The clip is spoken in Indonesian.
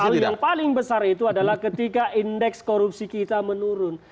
hal yang paling besar itu adalah ketika indeks korupsi kita menurun